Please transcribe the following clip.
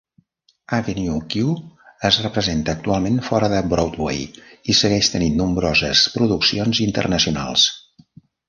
"Avenue Q" es representa actualment fora de Broadway i segueix tenint nombroses produccions internacionals.